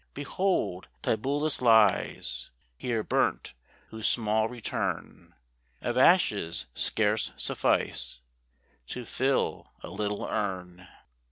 Behold! Tibullus lies Here burnt, whose small return Of ashes scarce suffice To fill a little urn.